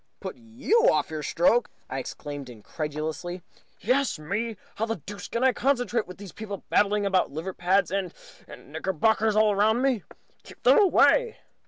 "Put you off your stroke!" I exclaimed, incredulously. "Yes, me! How the deuce can I concentrate, with people babbling about liver pads, and and knickerbockers all round me? Keep them away!"